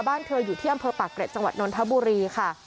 เธออยู่ที่อำเภอปากเกร็จจังหวัดนนทบุรีค่ะ